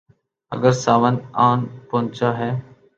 اگر ساون آن پہنچا ہے۔